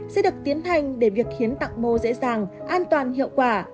sẽ được tiến hành để việc hiến tạng mô dễ dàng an toàn hiệu quả